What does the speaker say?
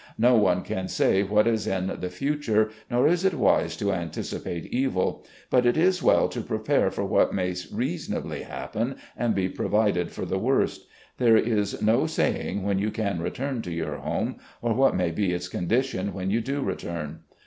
No one can say what is in the future, nor is it wise to anticipate evil. But it is well to prepare for what may reasonably happen and be provided for the worst. There is no saying when you can return to your home or what may be its condition when you do return.